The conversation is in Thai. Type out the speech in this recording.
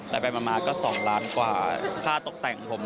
แต่ไปมา๒ล้านกว่าภาพครองตักแต่งผม